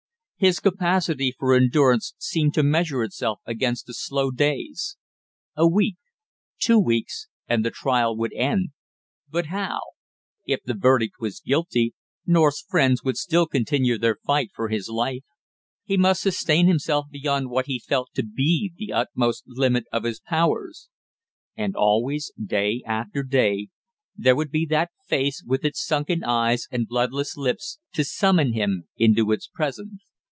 His capacity for endurance seemed to measure itself against the slow days. A week two weeks and the trial would end, but how? If the verdict was guilty, North's friends would still continue their fight for his life. He must sustain himself beyond what he felt to be the utmost limit of his powers; and always, day after day, there would be that face with its sunken eyes and bloodless lips, to summon him into its presence.